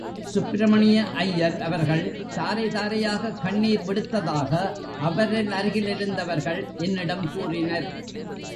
சுப்பிரமணிய அய்யர் அவர்கள் தாரை தாரையாகக் கண்ணீர் விடுத்ததாக அவரருகிலிருந்தவர்கள் என்னிடம் கூறினர்.